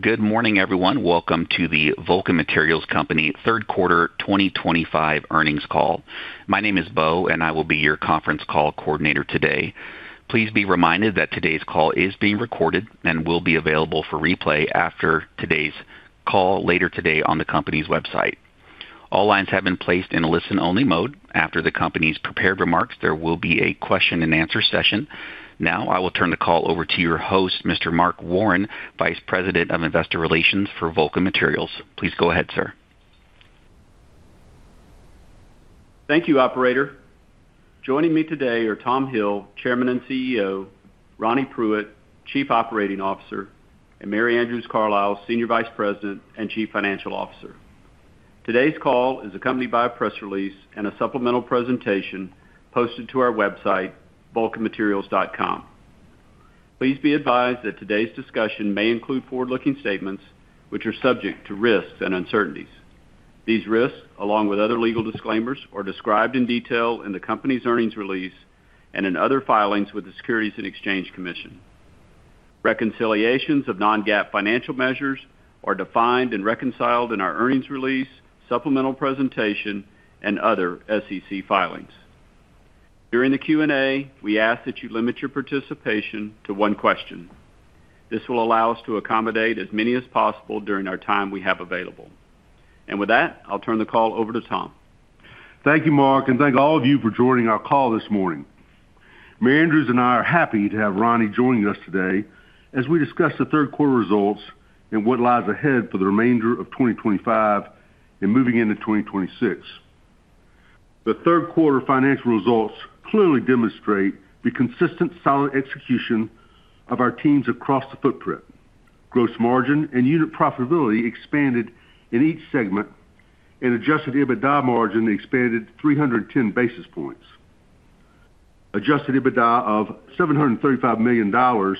Good morning everyone. Welcome to the Vulcan Materials Company Third Quarter 2025 earnings call. My name is Bo and I will be your conference call coordinator today. Please be reminded that today's call is being recorded and will be available for replay after today's call later today on the company's website. All lines have been placed in a listen-only mode. After the company's prepared remarks, there will be a question-and-answer session. Now I will turn the call over to your host, Mr. Mark Warren, Vice President of Investor Relations for Vulcan Materials. Please go ahead, sir. Thank you, operator. Joining me today are Tom Hill, Chairman and CEO, Ronnie Pruitt, Chief Operating Officer, and Mary Andrews Carlile, Senior Vice President and Chief Financial Officer. Today's call is accompanied by a press release and a supplemental presentation posted to our website, vulcanmaterials.com. Please be advised that today's discussion may include forward-looking statements which are subject to risks and uncertainties. These risks, along with other legal disclaimers, are described in detail in the company's earnings release and in other filings with the Securities and Exchange Commission. Reconciliations of non-GAAP financial measures are defined and reconciled in our earnings release, supplemental presentation, and other SEC filings. During the Q&A, we ask that you limit your participation to one question. This will allow us to accommodate as many as possible during the time we have available. With that, I'll turn the call over to Tom. Thank you, Mark, and thank all of you for joining our call this morning. Mary Andrews and I are happy to have Ronnie joining us today as we discuss the third quarter results and what lies ahead for the remainder of 2025 and moving into 2026. The third quarter financial results clearly demonstrate the consistent, solid execution of our teams across the footprint. Gross margin and unit profitability expanded in each segment, and adjusted EBITDA margin expanded 310 basis points. Adjusted EBITDA of $735 million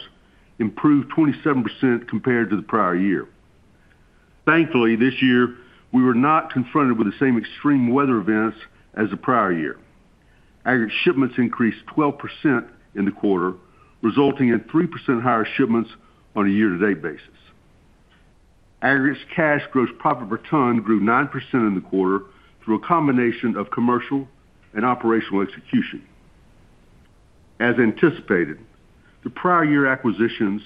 improved 27% compared to the prior year. Thankfully, this year we were not confronted with the same extreme weather events as the prior year. Aggregate shipments increased 12% in the quarter, resulting in 3% higher shipments on a year-to-date basis. Aggregates cash gross profit per ton grew 9% in the quarter through a combination of commercial and operational execution. As anticipated, the prior year acquisitions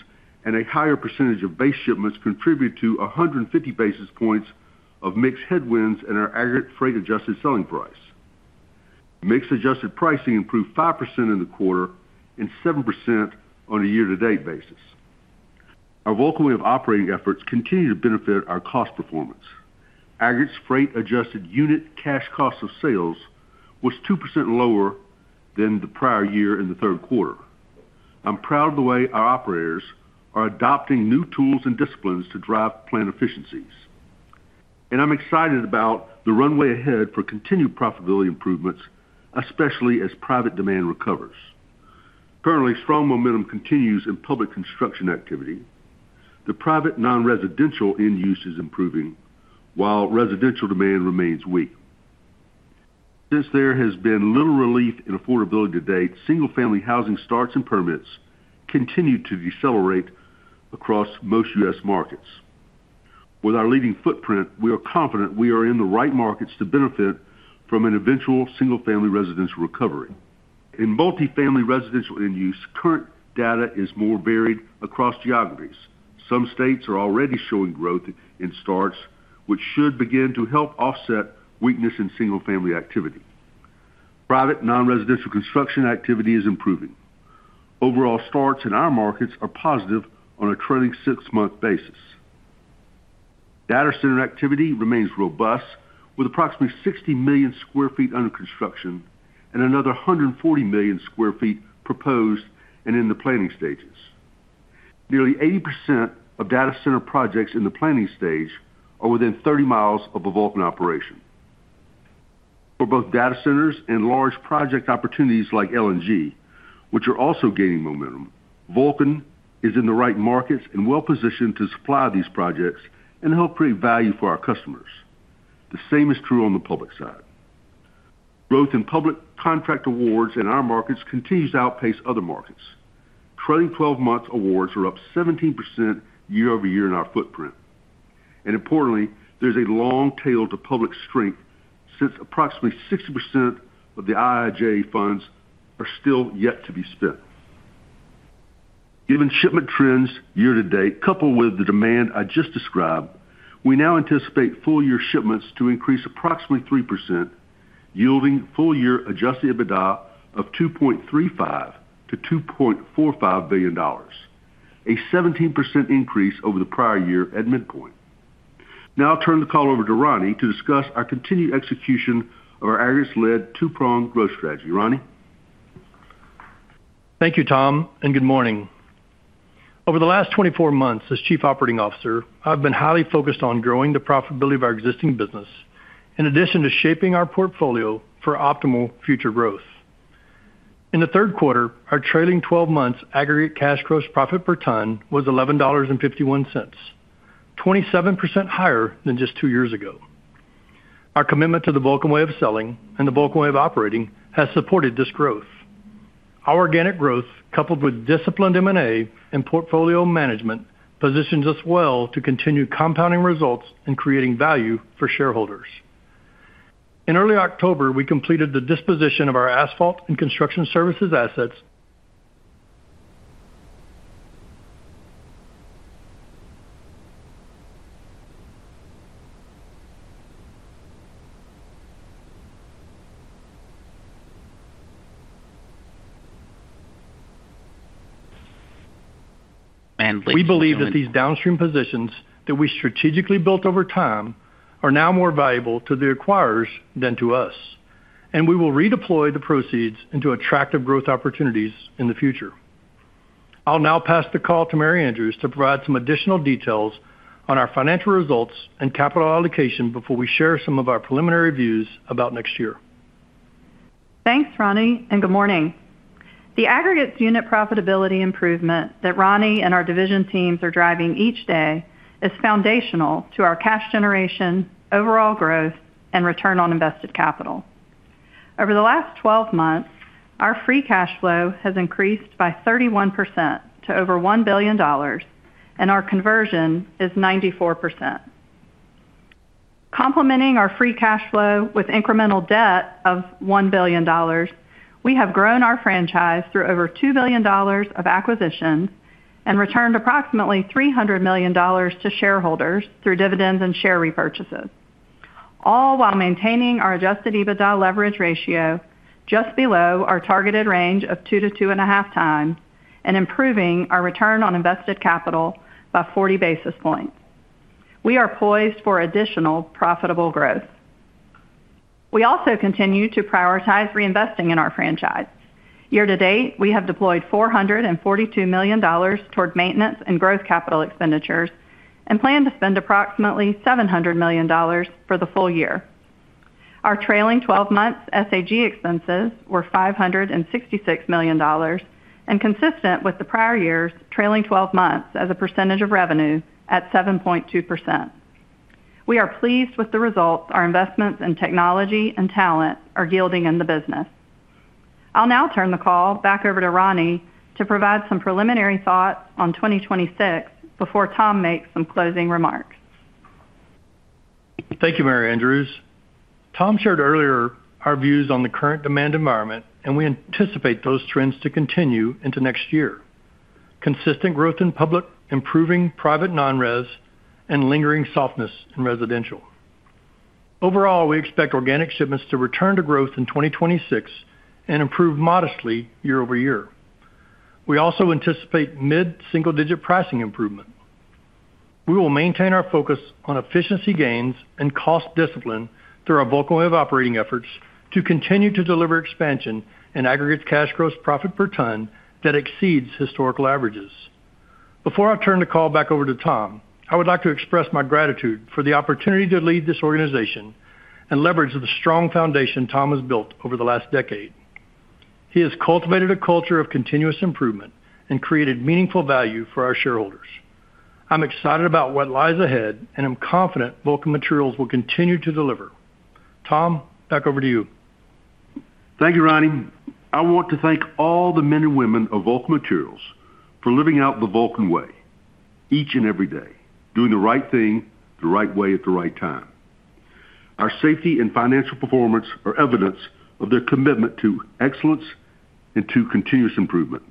and a higher percentage of base shipments contributed to 150 basis points of mix. Headwinds in our aggregate freight-adjusted selling price, mix-adjusted pricing improved 5% in the quarter and 7% on a year-to-date basis. Our Vulcan Way of Operating efforts continue to benefit our cost performance. Aggregates freight-adjusted unit cash cost of sales was 2% lower than the prior year in the third quarter. I'm proud of the way our operators are adopting new tools and disciplines to drive plant efficiencies, and I'm excited about the runway ahead for continued profitability improvements, especially as private demand recovers. Currently, strong momentum continues in public construction activity. The private non-residential end use is improving, while residential demand remains weak since there has been little relief in affordability to date. Single-family housing starts and permits continue to decelerate across most U.S. markets. With our leading footprint, we are confident we are in the right markets to benefit from an eventual single-family residential recovery. In multifamily residential end use, current data is more varied across geographies. Some states are already showing growth in starts, which should begin to help offset weakness in single-family activity. Private non-residential construction activity is improving. Overall starts in our markets are positive on a trailing six-month basis. Data center activity remains robust with approximately 60 million sq ft under construction and another 140 million sq ft proposed and in the planning stages. Nearly 80% of data center projects in the planning stage are within 30 miles of a Vulcan operation. For both data centers and large project opportunities like LNG, which are also gaining momentum, Vulcan is in the right markets and well positioned to supply these projects and help create value for our customers. The same is true on the public side. Growth in public contract awards in our markets continues to outpace other markets. Trailing 12-month awards are up 17% year-over-year in our footprint, and importantly, there's a long tail to public strength since approximately 60% of the IIJA funds are still yet to be spent. Given shipment trends Year-to-date, coupled with the demand I just described, we now anticipate full year shipments to increase approximately 3%, yielding full year adjusted EBITDA of $2.35 billion-$2.45 billion, a 17% increase over the prior year at midpoint. Now I'll turn the call over to Ronnie to discuss our continued execution of our aggregates-led two-pronged growth strategy. Ronnie. Thank you, Tom, and good morning. Over the last 24 months as Chief Operating Officer, I've been highly focused on growing the profitability of our existing business in addition to shaping our portfolio for optimal future growth. In the third quarter, our trailing 12 months aggregate cash gross profit per ton was $11.51, 27% higher than just 2 years ago. Our commitment to the Vulcan Way of Selling and the Vulcan Way of Operating has supported this growth. Our organic growth, coupled with disciplined M&A and portfolio management, positions us well to continue compounding results and creating value for shareholders. In early October, we completed the disposition of our asphalt and construction services assets. We believe that these downstream positions that we strategically built over time are now more valuable to the acquirers than to us, and we will redeploy the proceeds into attractive growth opportunities in the future. I'll now pass the call to Mary Andrews to provide some additional details on our financial results and capital allocation before we share some of our preliminary views about next year. Thanks Ronnie and good morning. The aggregates unit profitability improvement that Ronnie and our division teams are driving each day is foundational to our cash generation, overall growth, and return on invested capital. Over the last 12 months our free cash flow has increased by 31% to over $1 billion and our conversion is 94%, complementing our free cash flow with incremental debt of $1 billion. We have grown our franchise through over $2 billion of acquisitions and returned approximately $300 million to shareholders through dividends and share repurchases, all while maintaining our adjusted EBITDA leverage ratio just below our targeted range of 2-2.5x and improving our return on invested capital by 40 basis points. We are poised for additional profitable growth. We also continue to prioritize reinvesting in our franchise. Year-to-date we have deployed $442 million toward maintenance and growth capital expenditures and plan to spend approximately $700 million for the full year. Our trailing 12 months SAG expenses were $566 million and consistent with the prior year's trailing 12 months as a percentage of revenue at 7.2%. We are pleased with the results. Our investments in technology and talent earnings are yielding in the business. I'll now turn the call back over to Ronnie to provide some preliminary thoughts on 2026 before Tom makes some closing remarks. Thank you, Mary Andrews. Tom shared earlier our views on the current demand environment, and we anticipate those trends to continue into next year. Consistent growth in public, improving private non-res, and lingering softness in residential overall. We expect organic shipments to return to growth in 2026 and improve modestly year-over-year. We also anticipate mid-single-digit pricing improvement. We will maintain our focus on efficiency gains and cost discipline through our Vulcan Way of Operating efforts to continue to deliver expansion in aggregate cash gross profit per ton that exceeds historical averages. Before I turn the call back over to Tom, I would like to express my gratitude for the opportunity to lead this organization and leverage the strong foundation Tom has built over the last decade. He has cultivated a culture of continuous improvement and created meaningful value for our shareholders. I'm excited about what lies ahead, and I'm confident Vulcan Materials will continue to deliver. Tom, back over to you. Thank you, Ronnie. I want to thank all the men and women of Vulcan Materials for living out the Vulcan Way each and every day, doing the right thing the right way at the right time. Our safety and financial performance are evidence of their commitment to excellence and to continuous improvement.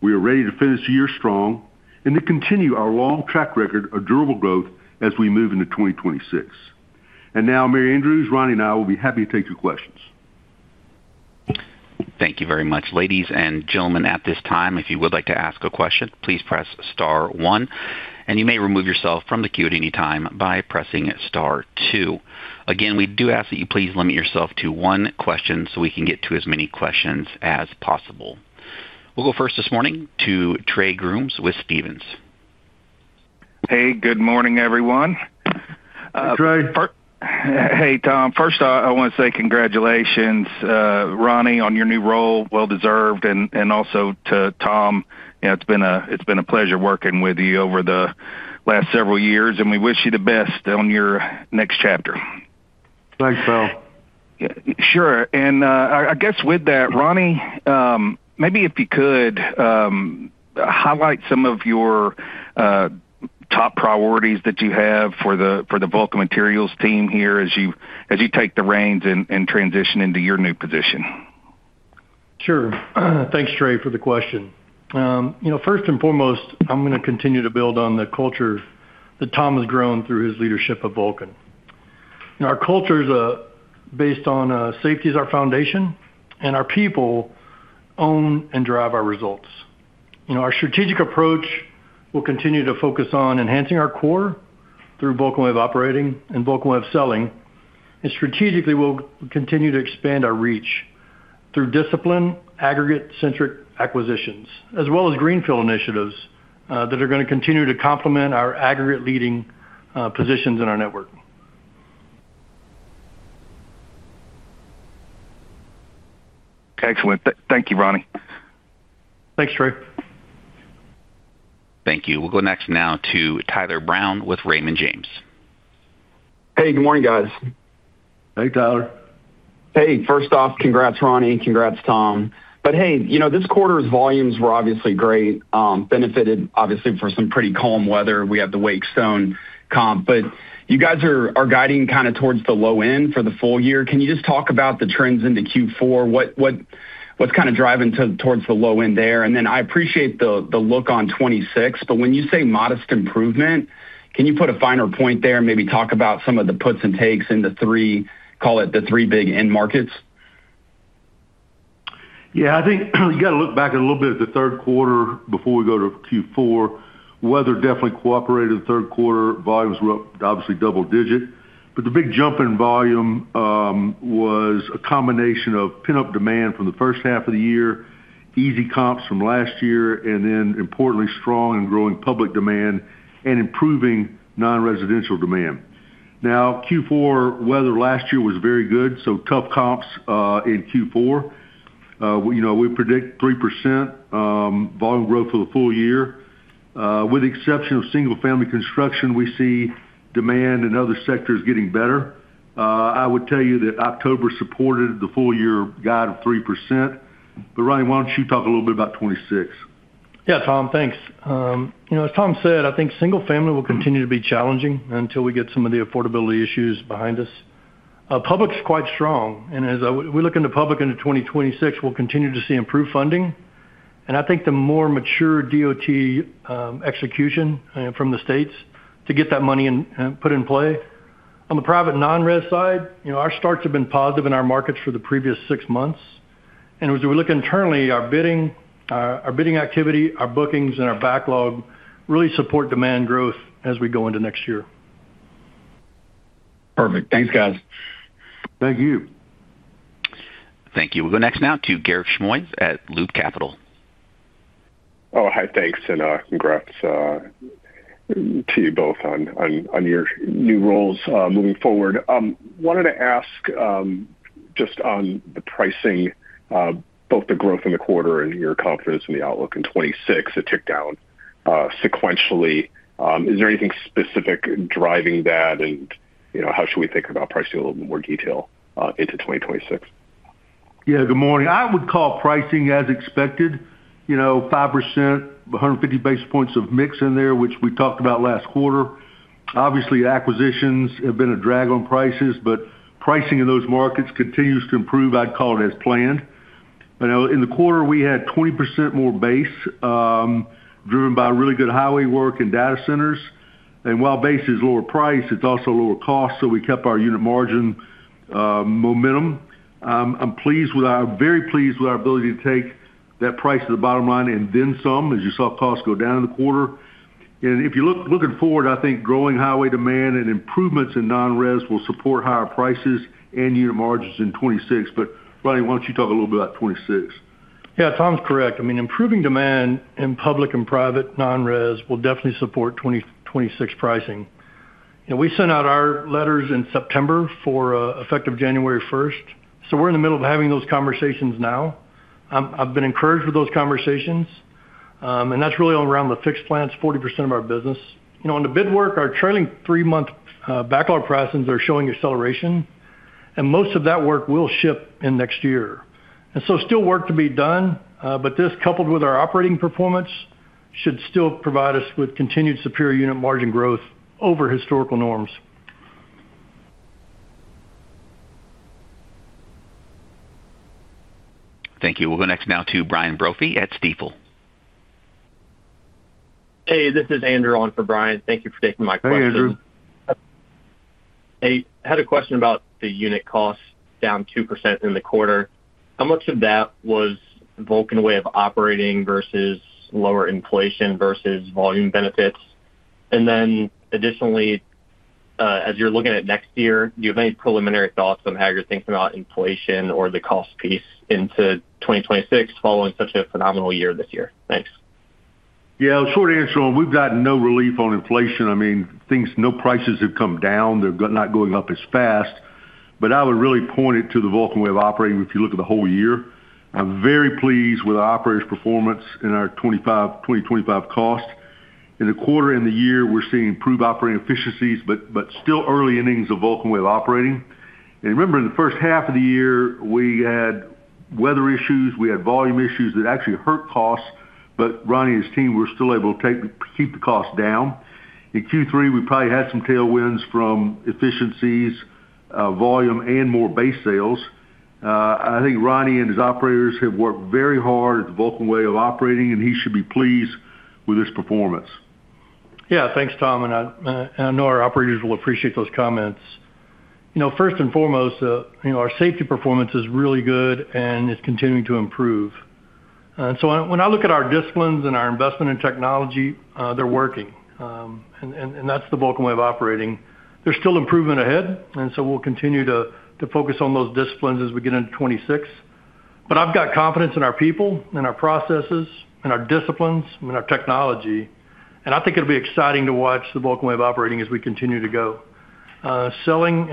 We are ready to finish the year strong and to continue our long track record of durable growth as we move into 2026. Mary Andrews, Ronnie and I will be happy to take your questions. Thank you very much. Ladies and gentlemen, at this time, if you would like to ask a question, please press star one, and you may remove yourself from the queue at any time by pressing star two. Again, we do ask that you please limit yourself to one question so we can get to as many questions as possible. We'll go first this morning to Trey Grooms with Stephens. Hey, good morning, everyone. Hey, Tom. First, I want to say congratulations, Ronnie, on your new role. Well deserved. It has been a pleasure working with you, Tom. Over the last several years, we. Wish you the best on your next chapter. Thanks, pal. Sure. Ronnie, maybe if you could highlight some of your top priorities that you have for the Vulcan Materials team here as you take the reins and transition into your new position. Sure. Thanks, Trey, for the question. First and foremost, I'm going to continue to build on the culture that Tom has grown through his leadership of Vulcan. Our culture is based on safety, which is our foundation. Our people own and drive our results. Our strategic approach will continue to focus on enhancing our core through Vulcan Way of Operating and Vulcan Way of Selling. Strategically, we'll continue to expand our reach through disciplined aggregate-centric acquisitions, as well as greenfield initiatives that are going to continue to complement our aggregate leading positions in our network. Excellent. Thank you, Ronnie. Thanks, Trey. Thank you. We'll go next now to Tyler Brown with Raymond James. Hey, good morning, guys. Hey, Tyler. Hey. First off, congrats, Ronnie. Congrats, Tom. This quarter's volumes were obviously great, benefited from some pretty calm weather. We have the Wackestone comp, and you guys are guiding kind of towards the low end for the full year. Can you just talk about the trends into Q4? What. What's kind of driving towards the low? End there and then. I appreciate the look on 2026, but when you say modest improvement, can you put a finer point there? Maybe talk about some of the puts and takes in the three, call it the three big end markets. Yeah, I think you got to look back a little bit at the third quarter before we go to Q4. Weather definitely cooperated. Third quarter volumes were up, obviously double digit. The big jump in volume was a combination of pent up demand from the first half of the year, easy comps from last year, and then importantly strong and growing public demand and improving non-residential demand. Now, Q4 weather last year was very good, so tough comps in Q4. We predict 3% volume growth for the full year. With the exception of single family construction, we see demand in other sectors getting better. I would tell you that October supported the full year guide of 3%, but Ronnie, why don't you talk a little bit about 2026. Yeah, Tom, thanks. You know, as Tom said, I think single family will continue to be challenging until we get some of the affordability issues behind us. Public's quite strong, and as we look into public into 2026, we'll continue to see improved funding, and I think the more mature DOT execution from the states to get that money put in play. On the private non-res side, our starts have been positive in our markets for the previous 6 months, and as we look internally, our bidding activity, our bookings, and our backlog really support demand growth as we go into next year. Perfect. Thanks, guys. Thank you. Thank you. We'll go next now to Garik Shmois at Loop Capital. Oh, hi. Thanks. Congratulations to you both on your new roles moving forward. I wanted to ask, just on the pricing, both the growth in the quarter and your confidence in the outlook in 2026, it ticked down sequentially. Is there anything specific driving that? How should we think about pricing a little bit more detail into 2026? Good morning. I would call pricing as expected. 5%, 150 basis points of mix in there, which we talked about last quarter. Obviously acquisitions have been a drag on prices, but pricing in those markets continues to improve. I'd call it as planned. In the quarter we had 20% more base driven by really good highway work and data centers. While base is lower price, it's also lower cost. We kept our unit margin momentum. I'm very pleased with our ability to take that price to the bottom line and then some. As you saw, costs go down in the quarter. If you look, looking forward, I think growing highway demand and improvements in non-res will support higher prices and unit margins in 2026. Ronnie, why don't you talk a little bit about 2026. Yeah, Tom's correct. I mean, improving demand in public and private non-res will definitely support 2026 pricing. We sent out our letters in September for effective January 1st. We're in the middle of having those conversations now. I've been encouraged with those conversations, and that's really around the fixed plants. 40% of our business, you know, on the bid work, our trailing 3-month backlog process is showing acceleration, and most of that work will ship in next year. There is still work to be done. This, coupled with our operating performance, should still provide us with continued superior unit margin growth over historical norms. Thank you. We'll go next now to Brian Brophy at Stifel. Hey, this is Andrew on for Brian. Thank you for taking my call. I had a question about the unit costs. Down 2% in the quarter. How much of that was Vulcan Way of Operating versus lower inflation versus volume benefits? Additionally, as you're looking at next year, do you have any preliminary thoughts on how you're thinking about inflation or the cost piece into 2026 following such a phenomenal year this year? Thanks. Yeah, short answer. We've got no relief on inflation. I mean, things, no prices have come down, they're not going up as fast. I would really point to the Vulcan Way of Operating. If you look at the whole year, I'm very pleased with our operators' performance in our 2025 cost in the quarter and the year. We're seeing improved operating efficiencies, but still early innings of Vulcan Way of Operating. Remember, in the first half of the year we had weather issues, we had volume issues that actually hurt costs. Ronnie and his team were still able to keep the cost down in Q3. We probably had some tailwinds from efficiencies, volume, and more base sales. I think Ronnie and his operators have worked very hard at the Vulcan Way of Operating, and he should be pleased with its performance. Yeah, thanks Tom. I know our operators will appreciate those comments. First and foremost, our safety performance is really good and it's continuing to improve. When I look at our disciplines and our investment in technology, they're working and that's the Vulcan Way of Operating. There's still improvement ahead, so we'll continue to focus on those disciplines as we get into 2026. I've got confidence in our people, our processes, our disciplines, and our technology, and I think it'll be exciting to watch the Vulcan Way of Operating as we continue to go selling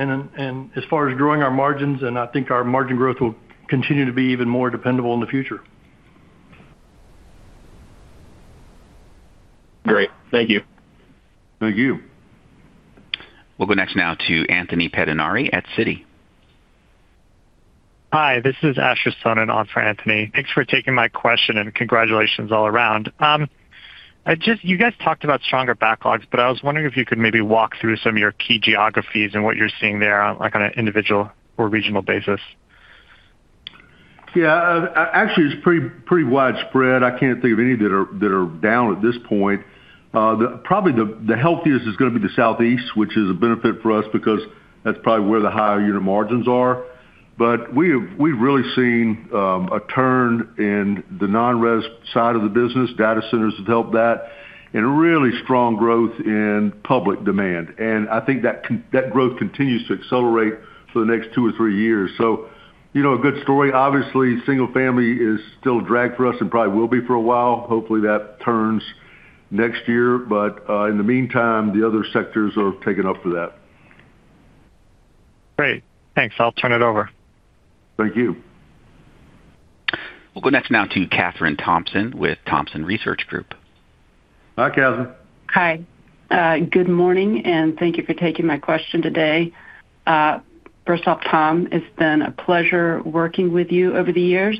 as far as growing our margins. I think our margin growth will continue to be even more dependable in the future. Great. Thank you. Thank you. We'll go next to Anthony Pettinari at Citi. Hi, this is Asher Sohnen on for Anthony. Thanks for taking my question and congratulations all around. You guys talked about stronger backlogs, but I was wondering if you could maybe walk through some of your key geographies and what you're seeing there. an individual or regional basis? Yeah, actually it's pretty widespread. I can't think of any that are down at this point. Probably the healthiest is going to be the Southeast, which is a benefit for us because that's probably where the higher unit margins are. We've really seen a turn in the non-res side of the business. Data centers have helped that and really strong growth in public demand. I think that growth continues to accelerate for the next two or 3 years. A good story. Obviously, single family is still a drag for us and probably will be for a while. Hopefully that turns next year, but in the meantime the other sectors are taking up for that. Great, thanks. I'll turn it over. Thank you. We'll go next to Kathryn Thompson with Thompson Research Group. Hi, Kathryn. Hi, good morning and thank you for taking my question today. First off, Tom, it's been a pleasure working with you over the years.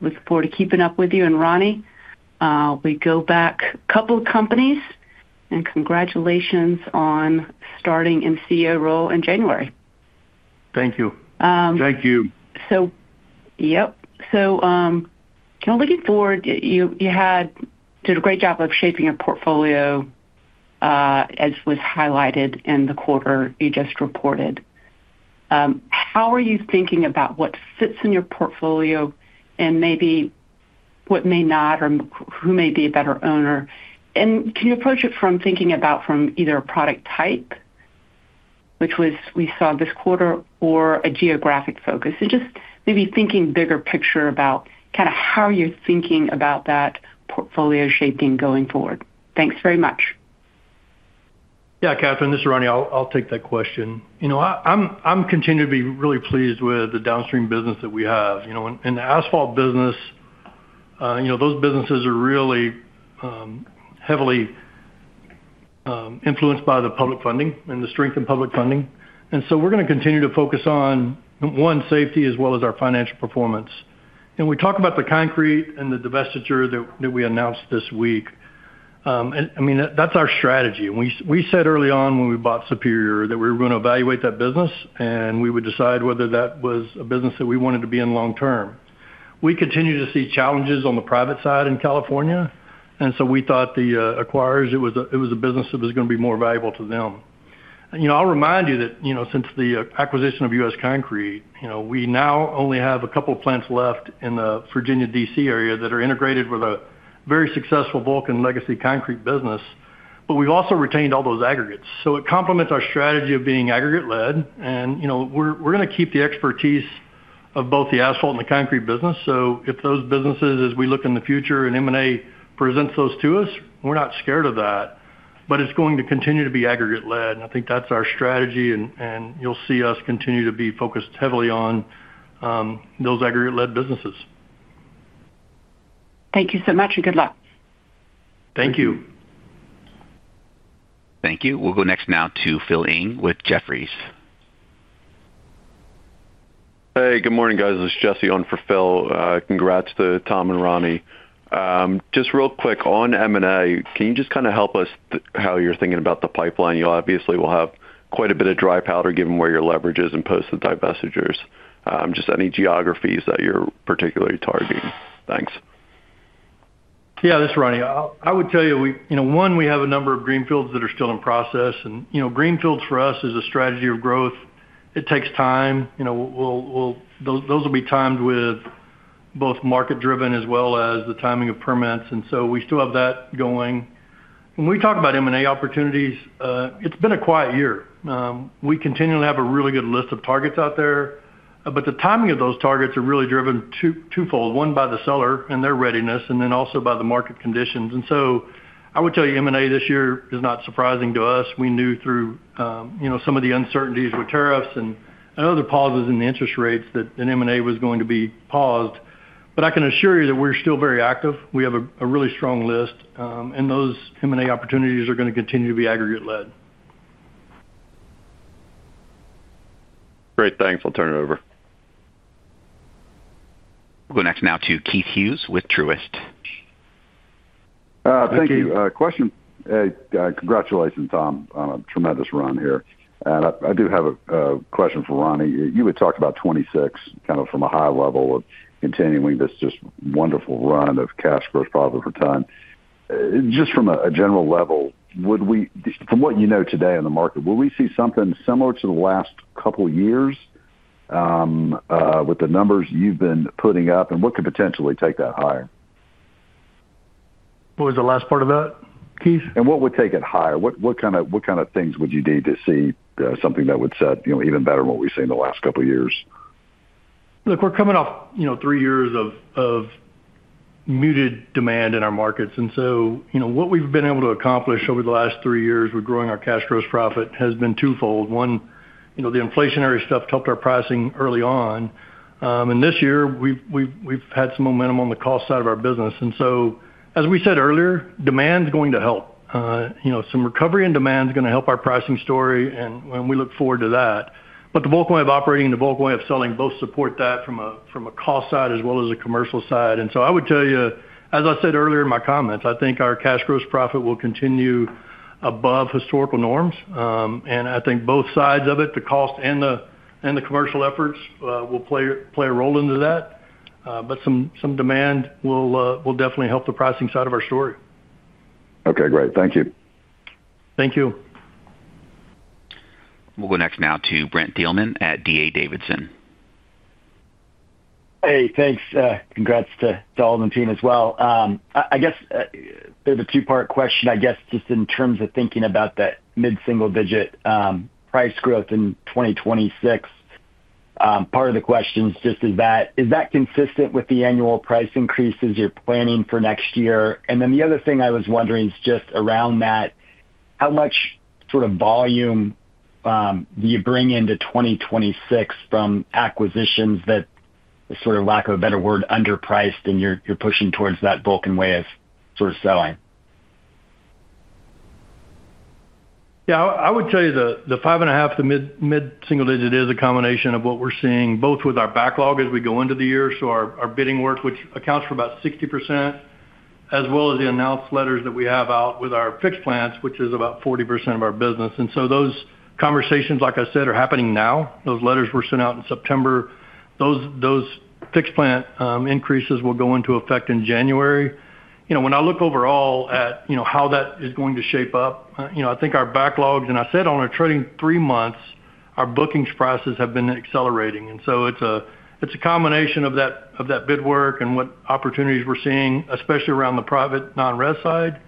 I look forward to keeping up with you. Ronnie, we go back a couple of companies and congratulations on starting in the CEO role in January. Thank you. Thank you. Looking forward, you did a great job of shaping a portfolio as was highlighted in the quarter you just reported. How are you thinking about what fits in your portfolio and maybe what may not or who may be a better owner? Can you approach it from thinking about either a product type, which we saw this quarter, or a geographic focus, and just maybe thinking bigger picture about how you're thinking about that portfolio shaping going forward. Thanks very much. Yeah, Kathryn, this is Ronnie. I'll take that question. I'm continuing to be really pleased with the downstream business that we have in the asphalt business. Those businesses are really heavily influenced by the public funding and the strength in public funding. We're going to continue to focus on one safety as well as our financial performance. We talk about the concrete and the divestiture that we announced this week. I mean that's our strategy. We said early on when we bought Superior that we were going to evaluate that business and we would decide whether that was a business that we wanted to be in long term. We continue to see challenges on the private side in California. We thought the acquirers, it was a business that was going to be more valuable to them. I'll remind you that since the acquisition of U.S. Concrete, we now only have a couple of plants left in the Virginia D.C. area that are integrated with a very successful Vulcan Legacy concrete business. We've also retained all those aggregates. It complements our strategy of being aggregate led. We're going to keep the expertise of both the asphalt and the concrete business. If those businesses, as we look in the future and M&A presents those to us, we're not scared of that. It's going to continue to be aggregate led and I think that's our strategy. You'll see us continue to be focused heavily on those aggregate led businesses. Thank you so much, and good luck. Thank you. Thank you. We'll go next now to Phil Ng with Jefferies. Hey, good morning, guys. This is Jesse on for Phil. Congrats to Tom and Ronnie. Just real quick on M&A. Can you just kind of help us? How you're thinking about the pipeline? You obviously will have quite a bit. Of dry powder given where your leverage. Is and post the divestitures. Just any geographies that you're particularly targeting. Thanks. Yeah, this is Ronnie. I would tell you, one, we have a number of greenfields that are still in process. Greenfields for us is a strategy of growth. It takes time. Those will be timed with both market driven as well as the timing of permits. We still have that going when we talk about M&A opportunities. It's been a quiet year. We continue to have a really good list of targets out there. The timing of those targets is really driven twofold, one by the seller and their readiness and then also by the market conditions. I would tell you M&A this year is not surprising to us. We knew through some of the uncertainties with tariffs and other pauses in the interest rates that M&A was going to be paused. I can assure you that we're still very active. We have a really strong list and those M&A opportunities are going to continue to be aggregate led. Great, thanks. I'll turn it over. We'll go next to Keith Hughes with Truist. Thank you. Congratulations, Tom, on a tremendous run here. I do have a question for Ronnie. You had talked about 2026 kind of from a high level of continuing this just wonderful run of cash gross profit per ton. Just from a general level, would we, from what you know today, in the Market, will we see something similar to? The last couple of years. With the numbers you've been putting up? What could potentially take that higher? What was the last part of that, Keith? What would take it higher? What kind of things would you need to see, something that would set, you know, even better what we've seen the last couple of. Years, Look, we're coming off 3 years of muted demand in our markets. What we've been able to accomplish over the last 3 years with growing our cash gross profit has been twofold. One, the inflationary stuff helped our pricing early on. This year we've had some momentum on the cost side of our business. As we said earlier, demand is going to help, some recovery in demand is going to help our pricing story and we look forward to that. The Vulcan Way of Operating, the Vulcan Way of Selling both support that from a cost side as well as a commercial side. I would tell you, as I said earlier in my comments, I think our cash gross profit will continue above historical norms. I think both sides of it, the cost and the commercial efforts, will play a role into that. Some demand will definitely help the pricing side of our story. Okay, great. Thank you. Thank you. We'll go next to Brent Thielman at D.A. Davidson. Hey, thanks. Congrats to all of the team as well, I guess. Bit of a two part question. Guess just in terms of thinking about that mid-single-digit pricing improvement in 2026. Part of the question is just, is. that consistent with the annual price increases you're planning for next year? The other thing I was wondering is just around that, how much sort of volume do you bring into 2026 from acquisitions that, for lack of a better word, are underpriced? You're pushing towards that Vulcan Way. Of sort of selling. Yeah. I would tell you the 5.5% to mid-single-digit % is a combination of what we're seeing both with our backlog as we go into the year. Our bidding work, which accounts for about 60%, as well as the announced letters that we have out with our fixed plants, which is about 40% of our business. Those conversations, like I said, are happening now. Those letters were sent out in September. Those fixed plant increases will go into effect in January. When I look overall at how that is going to shape up, I think our backlogs, and I said on a trailing 3 months, our bookings prices have been accelerating. It's a combination of that bid work and what opportunities we're seeing, especially around the private non-res side,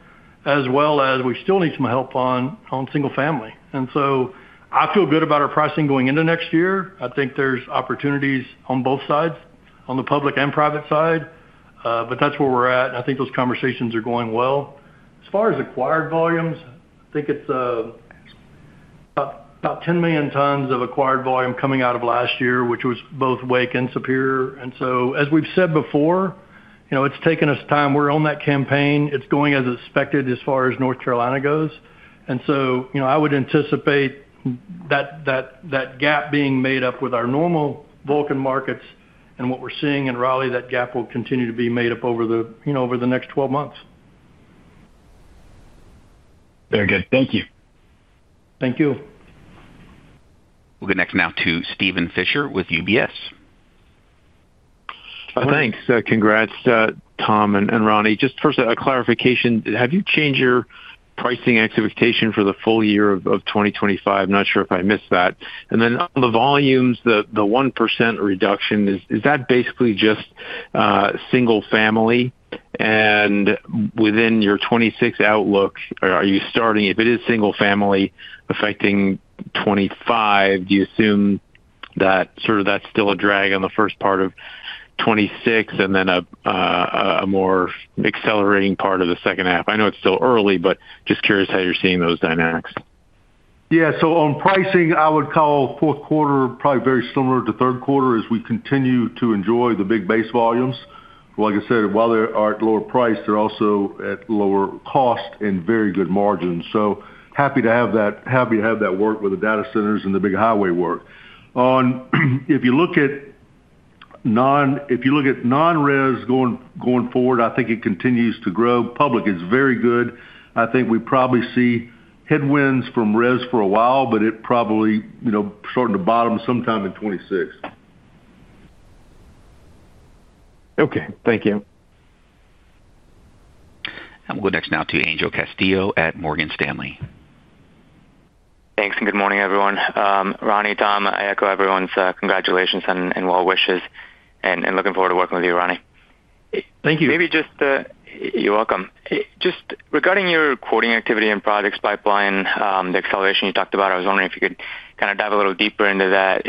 as well as we still need some help on single family. I feel good about our pricing going into next year. I think there's opportunities on both sides, on the public and private side, but that's where we're at. I think those conversations are going well. As far as acquired volumes, I think it's about 10 million tons of acquired volume coming out of last year, which was both Wake and Superior. As we've said before, it's taken us time. We're on that campaign. It's going as expected as far as North Carolina goes. I would anticipate that gap being made up with our normal Vulcan markets and what we're seeing in Raleigh. That gap will continue to be made up over the next 12 months. Very good, thank you. Thank you. We'll go next now to Steven Fisher with UBS. Thanks. Congrats Tom and Ronnie. Just first, a clarification. Have you changed your pricing expectation for the full year of 2025? Not sure if I missed that. The volume % reduction is. That basically just single family, and within your 2026 outlook, are you starting if. It is single family affecting 25%. You assume that. That's still a drag on the first. Part of 2026 and then a more accelerating part of the second half. I know it's still early, but just curious how you're seeing those dynamics. Yeah, on pricing I would call fourth quarter probably very similar to third quarter as we continue to enjoy the big base volumes. Like I said, while they are at lower price, they're also at lower cost and very good margins. Happy to have that, happy to have that work with the data centers and the big highway work. If you look at non, if you look at non-res going forward, I think it continues to grow. Public is very good. I think we probably see headwinds from res for a while, but it probably starting to bottom sometime in 2026. Okay, thank you. I'll go next now to Angel Castillo at Morgan Stanley. Thanks, and good morning everyone. Ronnie. Tom, I echo everyone's congratulations and well wishes, and looking forward to working with you. Ronnie, thank you. You're welcome. Just regarding your quoting activity and projects pipeline, the acceleration you talked about, I was wondering if you could kind of dive a little deeper into that,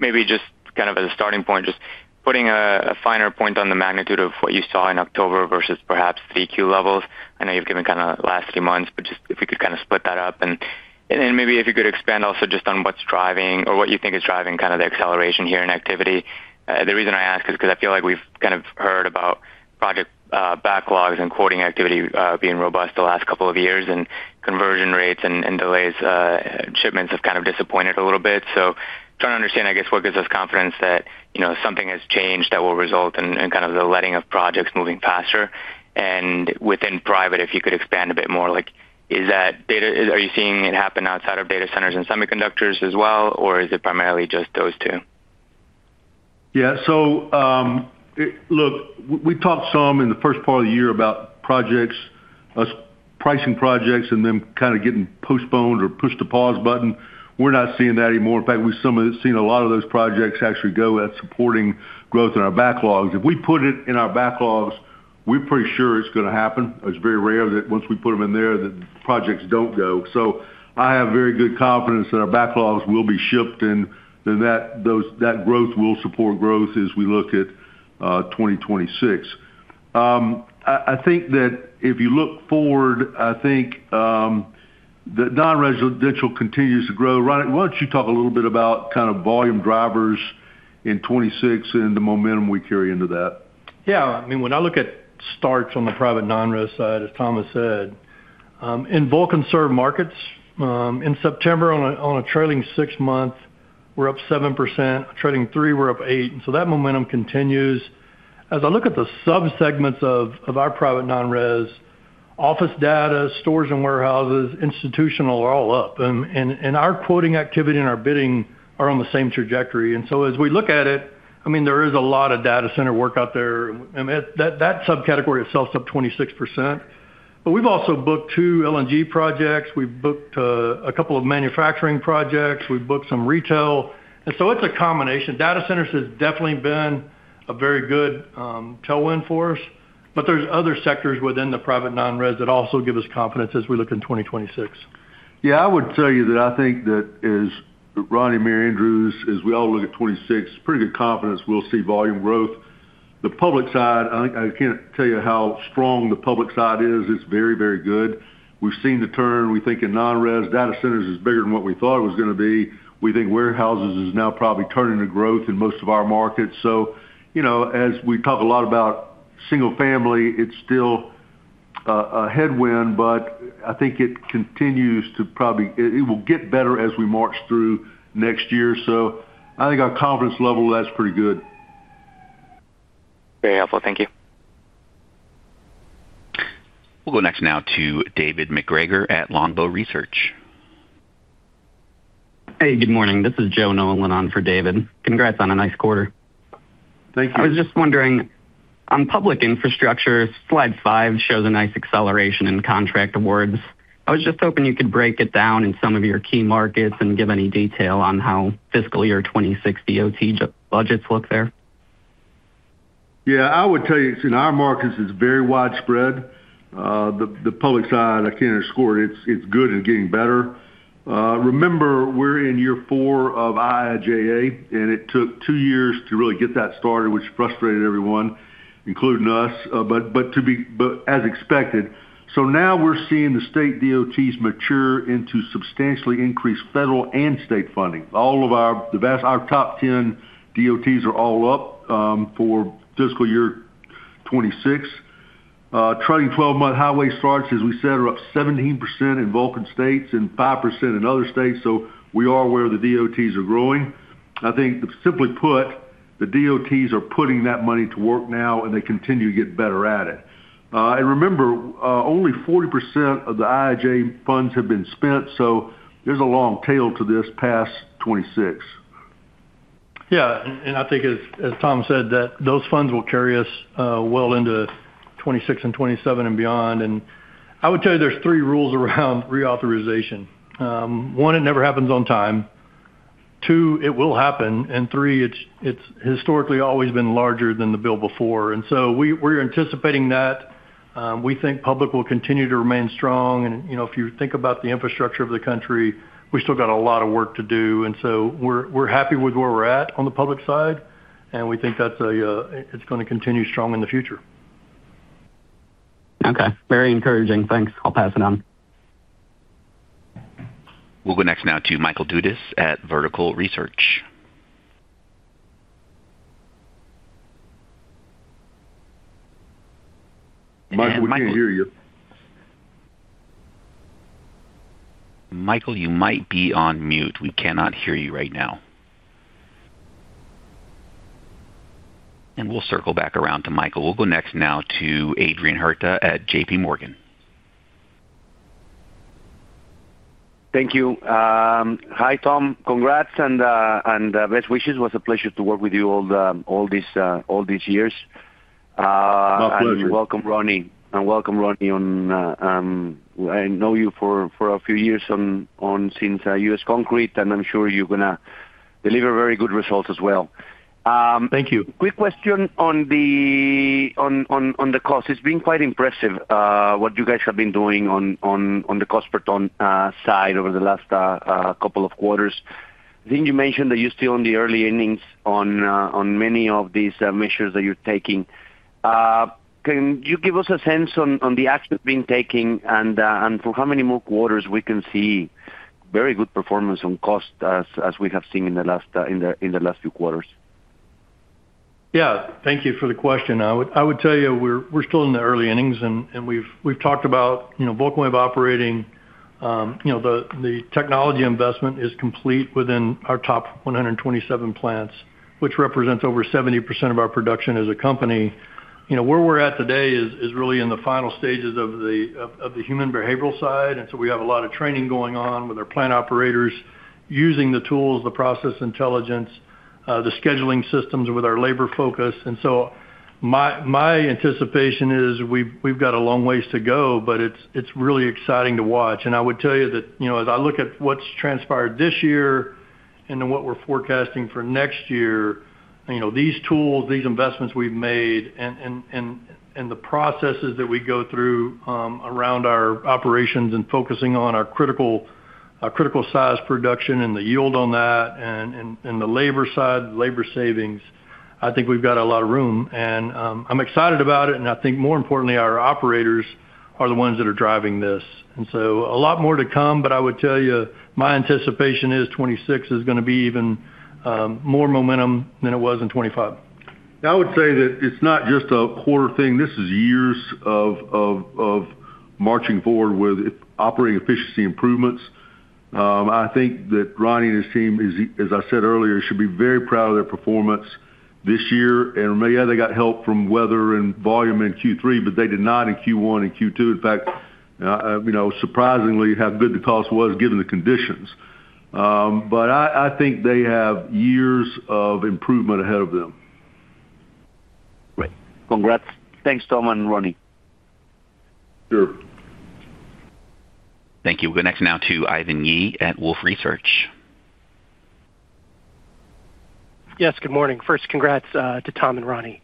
maybe just kind of as a starting point, just putting a finer point on the magnitude of what you saw in October versus perhaps the EQ levels I know you've given kind of last few months. If we could kind of. Split that up, and then maybe if you could expand also just on what's driving or what you think is driving kind of the acceleration here in activity. The reason I ask is because I feel like we've kind of heard about project backlogs and quoting activity being robust the last couple of years, and conversion rates and delays, shipments have kind of disappointed a little bit. Trying to understand, I guess, what gives us confidence that, you know, something has changed that will result in kind of the letting of projects moving faster and within private. If you could expand a bit more, like is that data, are you seeing it happen outside of data centers and semiconductors as well, or is it primarily just those two? Yes. Look, we talked some in the first part of the year about projects, U.S. pricing projects and then kind of getting postponed or pushed a pause button. We're not seeing that anymore. In fact, we've seen a lot of those projects actually go at supporting growth in our backlogs. If we put it in our backlogs, we're pretty sure it's going to happen. It's very rare that once we put them in there that projects don't go. I have very good confidence that our backlogs will be shipped and that growth will support growth as we look at 2026. I think that if you look forward, I think the nonresidential continues to grow. Ronnie, why don't you talk a little bit about kind of volume drivers in 2026 and the momentum we carry into that? Yeah, I mean when I look at starts on the private non-res side, as Tom said in Vulcan-served markets in September, on a trailing six months we're up 7%, trailing three, we're up 8%. That momentum continues. As I look at the subsegments of our private non-res, office, data, stores and warehouses, institutional are all up and our quoting activity and our bidding are on the same trajectory. As we look at it, there is a lot of data center work out there. That subcategory itself is up 26%. We've also booked two LNG projects, we've booked a couple of manufacturing projects, we booked some retail and it is a combination. Data centers have definitely been a very good tailwind for us. There are other sectors within the private non-res that also give us confidence as we look in 2026. Yeah, I would tell you that I think that is Ronnie, Mary Andrews, as we all look at 2026, pretty good confidence. We'll see volume growth. The public side, I can't tell you how strong the public side is. It's very, very good. We've seen the turn. We think in non-res, data centers is bigger than what we thought it was going to be. We think warehouses is now probably turning to growth in most of our markets. As we talk a lot about single family, it's still a headwind, but I think it continues to probably it will get better as we march through next year. I think our confidence level, that's pretty good. Very helpful, thank you. We'll go next to David MacGregor at Longbow Research. Hey, good morning, this is Joe Nolan on for David. Congrats on a nice quarter. Thank you. I was just wondering on public infrastructure, slide five shows a nice acceleration in contract awards. I was just hoping you could break it down in some of your key markets and give any detail on how fiscal year 2026 DOT budgets look there. Yeah, I would tell you in our markets it's very widespread. The public side, I can't underscore it. It's good and getting better. Remember we're in year four of IIJA and it took two years to really get that started, which frustrated everyone, including us. To be as expected. Now we're seeing the state DOTs mature into substantially increased federal and state funding. All of our best, our top 10 DOTs are all up for fiscal year 2026. Trucking 12-month highway starts, as we said, are up 17% in Vulcan states and 5% in other states. We are where the DOTs are growing. I think, simply put, the DOTs are putting that money to work now and they continue to get better at it. Remember, only 40% of the IIJA funds have been spent. There's a long tail to this past 2026. Yeah, I think as Tom said, those funds will carry us well into 2026 and 2027 and beyond. I would tell you there's three rules around reauthorization. One, it never happens on time. Two, it will happen. Three, it's historically always been larger than the bill before. We're anticipating that. We think public will continue to remain strong. If you think about the infrastructure of the country, we still got a lot of work to do. We're happy with where we're at on the public side, and we think that's going to continue strong in the future. Okay, very encouraging. Thanks. I'll pass it on. We'll go next now to Michael Dudas at Vertical Research. Michael, we can't hear you. Michael, you might be on mute. We cannot hear you right now. We'll circle back around to Michael. We'll go next now to Adrian Huerta at JPMorgan. Thank you. Hi Tom. Congrats and best wishes. was a pleasure to work with you all these years. Welcome, Ronnie. I know you for a few years since U.S. Concrete, and I'm sure you're going to deliver very good results as well. Thank you. Quick question. On the cost, it's been quite impressive what you guys have been doing on the cost per. Ton side over the last couple of quarters. I think you mentioned that you're still. In the early innings on many. Of these measures that you're taking, can you give us a sense on the action being taken and for how many more quarters we can see very good performance on cost as we have seen in the last few quarters? Yeah, thank you for the question. I would tell you we're still in the early innings and we've talked about, you know, Vulcan Way of Operating. The technology investment is complete within our top 127 plants, which represents over 70% of our production as a company. Where we're at today is really in the final stages of the human behavioral side. We have a lot of training going on with our plant operators using the tools, the process intelligence, the scheduling systems with our labor focus. My anticipation is we've got a long ways to go, but it's really exciting to watch. I would tell you that as I look at what's transpired this year and then what we're forecasting for next year, these tools, these investments we've made and the processes that we go through around our operations and focusing on our critical size, production and the yield on that and the labor side, labor savings, I think we've got a lot of room and I'm excited about it. I think more importantly, our operators are the ones that are driving this and a lot more to come. I would tell you my anticipation is 2026 is going to be even more momentum than it was in 2025. I would say that it's not just a quarter thing. This is years of marching forward with operating efficiency improvements. I think that Ronnie and his team, as I said earlier, should be very proud of their performance this year. They got help from weather and volume in Q3, but they did not in Q1 and Q2. In fact, it's surprising how good the cost was given the conditions. I think they have years of improvement ahead of them. Great. Congrats. Thanks, Tom and Ronnie. Sure. Thank you. We'll go next now to Ivan Yi at Wolfe Research. Yes, good morning. First, congrats to Tom and Ronnie.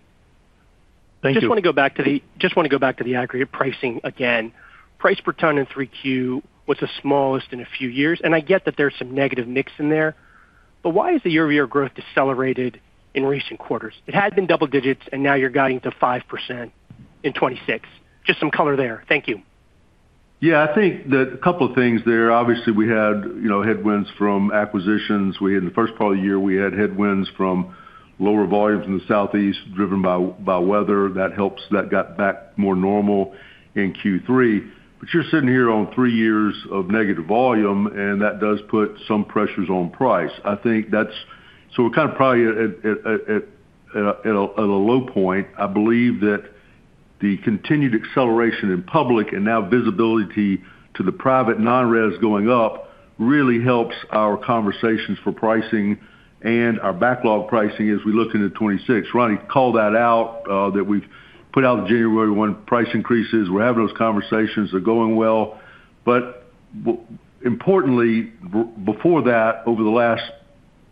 Just want to go back to the aggregate pricing again. Price per ton in Q3 was the smallest in a few years. I get that there's some negative mix in there, but why has the year-over-year growth decelerated in recent quarters? It had been double digits and now you're guiding to 5% in 2026. Just some color there. Thank you. I think that a couple of things there. Obviously, we had headwinds from acquisitions we had in the first part of the year. We had headwinds from lower volumes in the Southeast driven by weather. That got back more normal in Q3. You're sitting here on 3 years of negative volume, and that does put some pressures on price. I think that's probably at a low point. I believe that the continued acceleration in public and now visibility to the private non-res going up really helps our conversations for pricing and our backlog pricing as we look into 2026. Ronnie called that out that we've put out January 1 price increases. We're having those conversations, and they are going well. Importantly, before that, over the last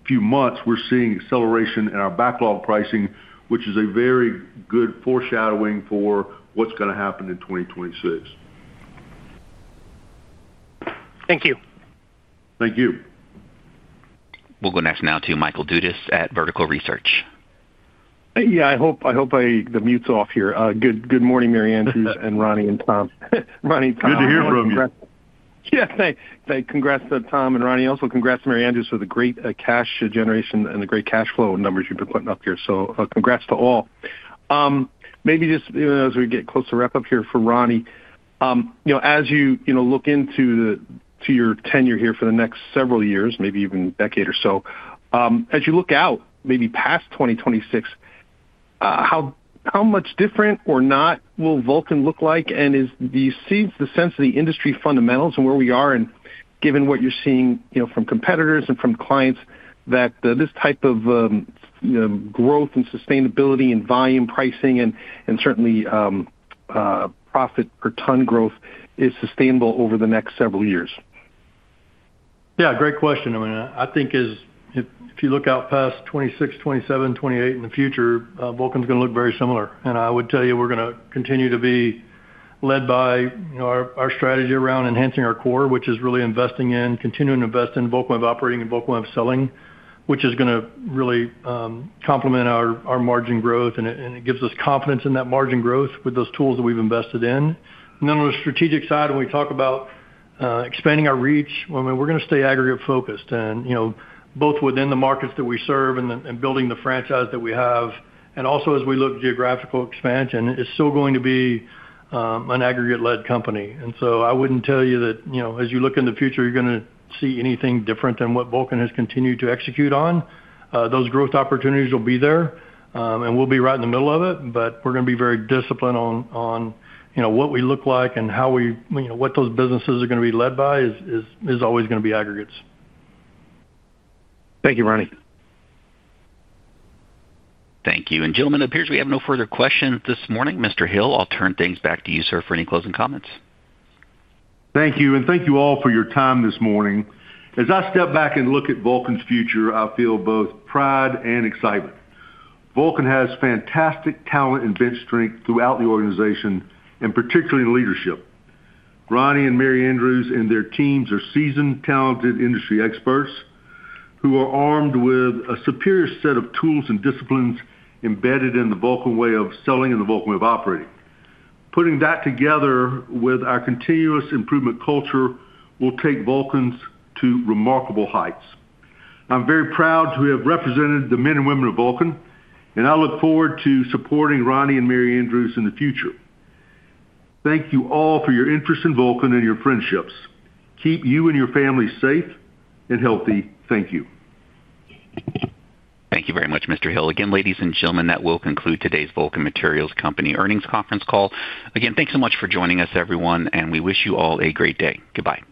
few months, we're seeing acceleration in our backlog pricing, which is a very good foreshadowing for what's going to happen in 2026. Thank you. Thank you. We'll go next now to Michael Dudas at Vertical Research. Yeah, I hope the mute's off here. Good. Good morning. Mary Andrews and Ronnie and Tom. Good. To hear from you. Yeah, congrats to Tom and Ronnie. Also, congrats to Mary Andrews for the great cash generation and the great cash. Flow numbers you've been putting up here. Congratulations to all. Maybe just as we get close to. Wrap up here for Ronnie. As you look into your. Tenure here for the next several years, maybe even decade or so. As you look out maybe past 2026, how much different or not will Vulcan look like, and is the sense the seeds of the industry fundamentals and where we are, given what you're seeing from competitors and from clients. That this type of growth and sustainability. Volume pricing and certainly profit per. Ton growth is sustainable over the next several years. Yeah, great question. I mean, I think if you look out past 2026, 2027, 2028 in the future, Vulcan is going to look very similar. I would tell you we're going to continue to be led by our strategy around enhancing our core, which is really investing in continuing to invest in the Vulcan Way of Operating and Vulcan Way of Selling, which is going to really complement our margin growth, and it gives us confidence in that margin growth with those tools that we've invested in on the strategic side. When we talk about expanding our reach, we're going to stay aggregate focused, both within the markets that we serve and building the franchise that we have. Also, as we look, geographical expansion is still going to be an aggregate-led company. I wouldn't tell you that as you look in the future, you're going to see anything different than what Vulcan has continued to execute on. Those growth opportunities will be there, and we'll be right in the middle of it. We're going to be very disciplined on what we look like and how we, what those businesses are going to be led by is always going to be aggregates. Thank you, Ronnie. Thank you. Gentlemen, it appears we have no further questions this morning. Mr. Hill, I'll turn things back to you, sir, for any closing comments. Thank you. Thank you all for your time this morning. As I step back and look at Vulcan's future, I feel both pride and excitement. Vulcan has fantastic talent and bench strength throughout the organization and particularly in leadership. Ronnie and Mary Andrews and their teams are seasoned, talented industry experts who are armed with a superior set of tools and disciplines embedded in the Vulcan Way of Selling and the Vulcan Way of Operating. Putting that together with our continuous improvement culture will take Vulcan to remarkable heights. I'm very proud to have represented the men and women of Vulcan, and I look forward to supporting Ronnie and Mary Andrews in the future. Thank you all for your interest in Vulcan and your friendships. Keep you and your family safe and healthy. Thank you. Thank you very much, Mr. Hill. Again, ladies and gentlemen, that will conclude today's Vulcan Materials Company earnings conference call. Again, thanks so much for joining us, everyone, and we wish you all a great day. Goodbye.